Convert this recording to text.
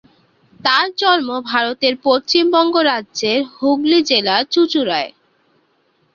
তার জন্ম ভারতের পশ্চিমবঙ্গ রাজ্যের হুগলি জেলার চুঁচুড়ায়।